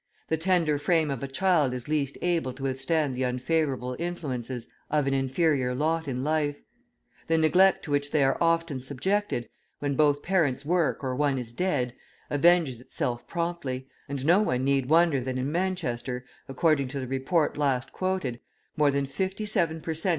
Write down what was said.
The tender frame of a child is least able to withstand the unfavourable influences of an inferior lot in life; the neglect to which they are often subjected, when both parents work or one is dead, avenges itself promptly, and no one need wonder that in Manchester, according to the report last quoted, more than fifty seven per cent.